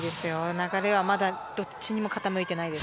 メダルはまだどっちにも傾いていないです。